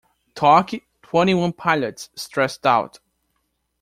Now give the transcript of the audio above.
Toque twenty one pilots Stressed Out.